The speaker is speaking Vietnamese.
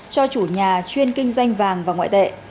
cho chủ nhà chuyên kinh doanh vàng và ngoại tệ